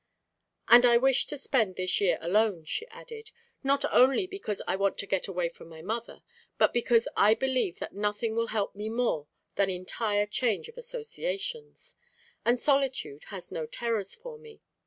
"And I wish to spend this year alone," she added. "Not only because I want to get away from my mother, but because I believe that nothing will help me more than entire change of associations. And solitude has no terrors for me.